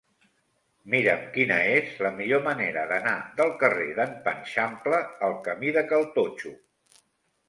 Mira'm quina és la millor manera d'anar del carrer d'en Panxampla al camí de Cal Totxo.